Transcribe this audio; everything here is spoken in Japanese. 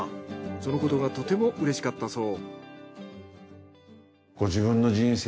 そのことがとてもうれしかったそう。